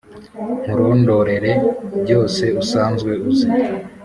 Nkurondorere byose usanzwe uzi